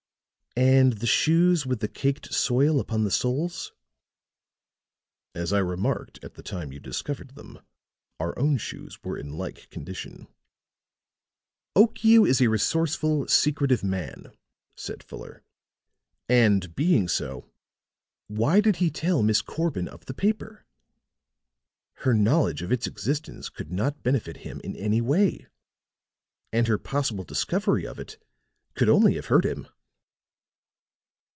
"And the shoes with the caked soil upon the soles?" "As I remarked at the time you discovered them, our own shoes were in like condition." "Okiu is a resourceful, secretive man," said Fuller. "And, being so, why did he tell Miss Corbin of the paper? Her knowledge of its existence could not benefit him in any way, and her possible discovery of it could only have hurt him."